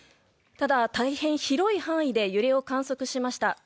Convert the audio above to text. ただ、大変広い範囲で揺れを観測しました。